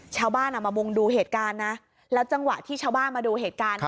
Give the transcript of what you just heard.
ชาวบ้านมามุงดูเหตุการณ์นะแล้วจังหวะที่ชาวบ้านมาดูเหตุการณ์